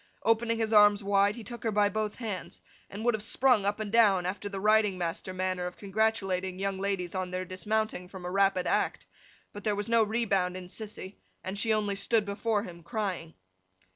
Opening his arms wide he took her by both her hands, and would have sprung her up and down, after the riding master manner of congratulating young ladies on their dismounting from a rapid act; but there was no rebound in Sissy, and she only stood before him crying.